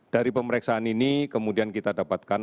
dari pemeriksaan ini kemudian kita dapatkan